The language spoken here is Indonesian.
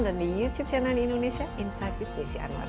dan di youtube channel indonesia insight with desi anwar